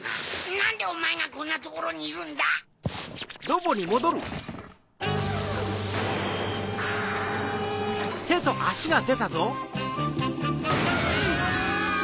なんでおまえがこんなところにいるんだ⁉うわ！